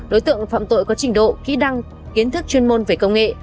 đối tượng phạm tội có trình độ kỹ đăng kiến thức chuyên môn về công nghệ